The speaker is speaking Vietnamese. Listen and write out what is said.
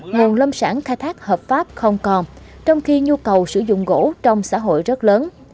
nguồn lâm sản khai thác hợp pháp không còn trong khi nhu cầu sử dụng gỗ trong xã hội rất lớn